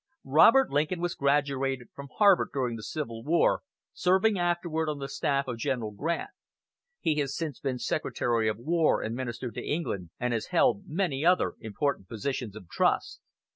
Robert Lincoln was graduated from Harvard during the Civil War, serving afterward on the staff of General Grant. He has since been Secretary of War and Minister to England, and has held many other important positions of trust.